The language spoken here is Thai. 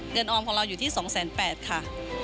เงินออมของเราอยู่ที่๒แสน๘ค่ะ